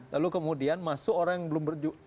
lalu kemudian masuk orang yang belum